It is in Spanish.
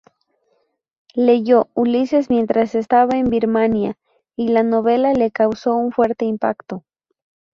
Leyó "Ulises" mientras estaba en Birmania, y la novela le causó un fuerte impacto.